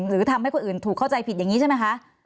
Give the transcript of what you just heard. หรือทำให้คนอื่นถูกเข้าใจผิดอย่างนี้ใช่ไหมคะ